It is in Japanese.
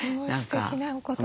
すごいすてきなお言葉。